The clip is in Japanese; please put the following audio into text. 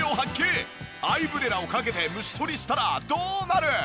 アイブレラをかけて虫捕りしたらどうなる？